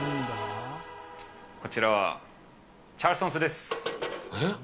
こちらはチャルソンスです。